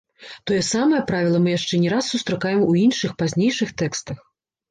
Тое самае правіла мы яшчэ не раз сустракаем у іншых, пазнейшых тэкстах.